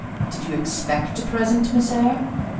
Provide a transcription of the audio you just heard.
"Did you expect a present, Miss Eyre?